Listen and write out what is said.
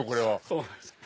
そうなんですよ